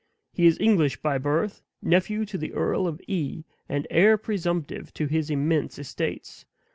He is English by birth, nephew to the Earl of E., and heir presumptive to his immense estates.